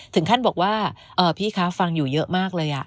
ถึงขั้นบอกว่าพี่คะฟังอยู่เยอะมากเลย